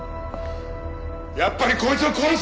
やっぱりこいつを殺す。